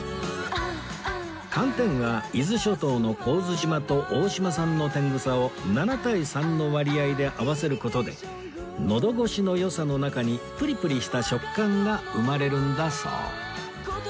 寒天は伊豆諸島の神津島と大島産の天草を７対３の割合で合わせる事でのど越しの良さの中にプリプリした食感が生まれるんだそう